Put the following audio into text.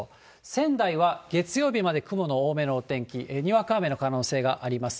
仙台は月曜日まで雲の多めのお天気、にわか雨の可能性があります。